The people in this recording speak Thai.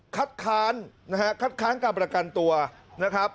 คัดค้างนะครับคัดค้างกับประกันตัวนะครับ